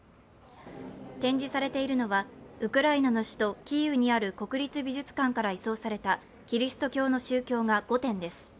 展示されているのはウクライナの首都キーウにある国立美術館から移送されたキリスト教の宗教画５点です。